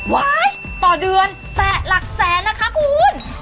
ต่อเดือนแต่หลักแสนนะคะคุณ